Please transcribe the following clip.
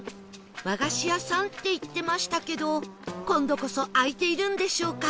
和菓子屋さんって言ってましたけど今度こそ開いているんでしょうか？